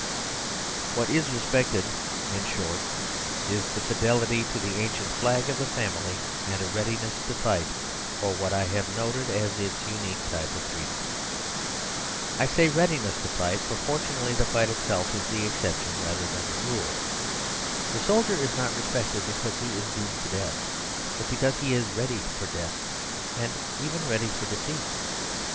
What is respected, in short, is fidelity to the ancient flag of the family, and a readiness to fight for what I have noted as its unique type of freedom. I say readiness to fight, for for tunately the fight itself is the exception rather than the rule. The soldier is not respected The Tragedies of Marriage 118 because he is doomed to death, but because he is ready for death ; and even ready for de feat.